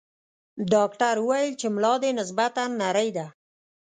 ډاکټر ویل چې ملا دې نسبتاً نرۍ ده.